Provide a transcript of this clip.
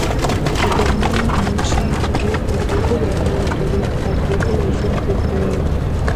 قدرمند منشي، چې ډېر کړېدلے او درديدلے ژوند تير کړے وو